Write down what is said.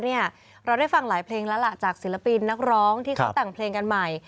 เราได้ฟังหลายเพลงแล้วล่ะจากศิลปินนักร้องที่เขาแต่งเพลงกันใหม่